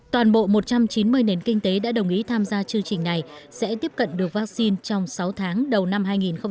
toàn bộ một trăm chín mươi nền kinh tế đã đồng ý tham gia chương trình này sẽ tiếp cận được vaccine trong sáu tháng đầu năm hai nghìn hai mươi